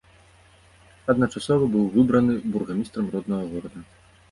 Адначасова быў выбраны бургамістрам роднага горада.